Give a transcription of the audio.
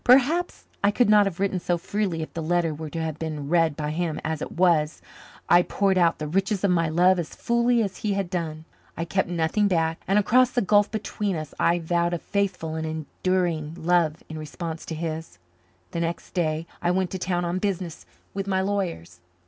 Perhaps I could not have written so freely if the letter were to have been read by him; as it was, I poured out the riches of my love as fully as he had done. I kept nothing back, and across the gulf between us I vowed a faithful and enduring love in response to his. The next day I went to town on business with my lawyers.